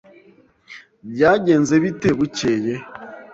Byagenze bite bukeye?